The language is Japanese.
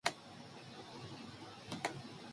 ｆｗｆ ぉ